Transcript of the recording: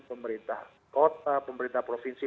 pemerintah kota pemerintah provinsi